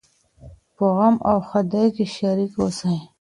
په غم او ښادۍ کي شريک اوسئ.